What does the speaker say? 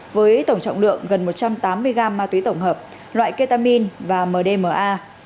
với tổng trọng lượng gần một trăm tám mươi gram ma túy tổng hợp loại ketamin và mdma